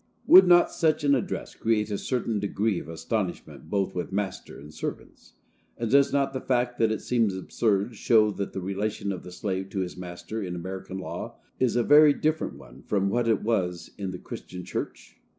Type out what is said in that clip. Would not such an address create a certain degree of astonishment both with master and servants; and does not the fact that it seems absurd show that the relation of the slave to his master in American law is a very different one from what it was in the Christian church?